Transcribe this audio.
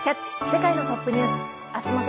世界のトップニュース」。